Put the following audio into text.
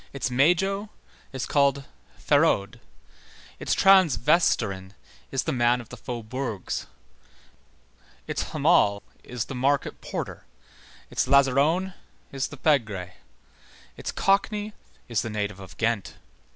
Its majo is called "faraud," its Transteverin is the man of the faubourgs, its hammal is the market porter, its lazzarone is the pègre, its cockney is the native of Ghent.